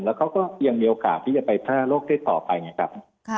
แล้วเขาก็ยังมีโอกาสที่จะไปแพร่โรคได้ต่อไปไงครับ